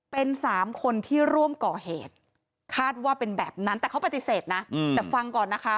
เป็นสามคนที่ร่วมก่อเหตุคาดว่าเป็นแบบนั้นแต่เขาปฏิเสธนะแต่ฟังก่อนนะคะ